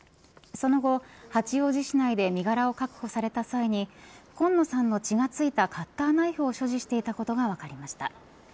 その後、八王子市内で身柄を確保された際に今野さんの血が付いたカッターナイフを所持していたことが分かりました。